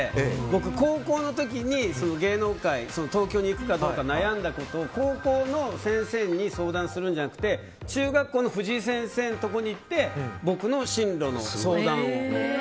僕、高校の時芸能界、東京に行くかどうか悩んだことを高校の先生に相談するんじゃなくて中学校の藤井先生のところに行って僕の進路の相談を。